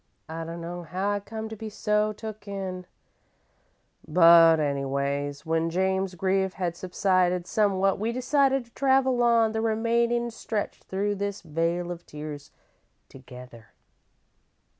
I dunno how I come to be so took in, but anyways, when James's grief had subsided somewhat, we decided to travel on the remainin' stretch through this vale of tears together.